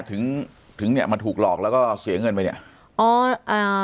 ถึงถึงเนี้ยมาถูกหลอกแล้วก็เสียเงินไปเนี้ยอ๋ออ่า